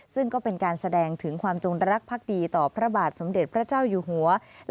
ซึ่งก็เป็นการแสดงถึงความจงรักภักดีต่อพระบาทสมเด็จพระเจ้าอยู่หัว